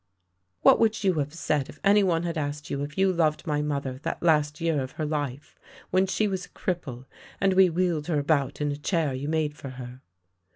"" What would you have said if anyone had asked you if you loved my mother that last year of her life, when she was a cripple, and we wheeled her about in a chair you made for her!